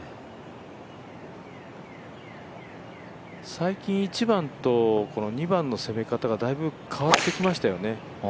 最近、１番と２番の攻め方がだいぶ変わってきましたよね。